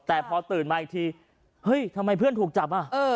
แต่พอตื่นมาอีกทีเฮ้ยทำไมเพื่อนถูกจับอ่ะ